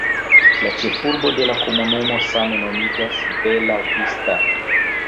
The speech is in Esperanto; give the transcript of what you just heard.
La ĉefurbo de la komunumo same nomiĝas Bella Vista.